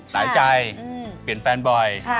หายใจเปลี่ยนแฟนบ่อย